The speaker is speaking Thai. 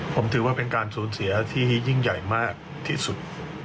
ผมถือว่าเป็นการสูญเสียที่ยิ่งใหญ่มากที่สุด